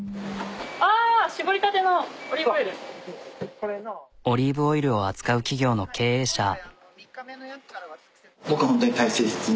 ああオリーブオイルを扱う企業の経営者。